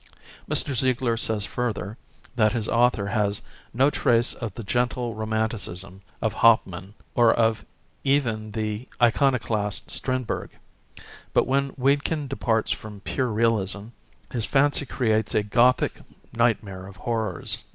Mr. Ziegler says further, that his author has no trace of the gentle romanticism" of Hauptmann, or of "even the iconoclast Strindberg ... but when Wedekind departs from pure realism, his fancy creates a Gothic nightmare of horrors."